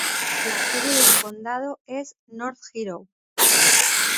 La sede del condado es North Hero.